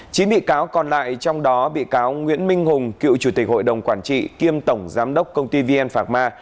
chín bị cáo còn lại trong đó bị cáo nguyễn minh hùng cựu chủ tịch hội đồng quản trị kiêm tổng giám đốc công ty vn phạc ma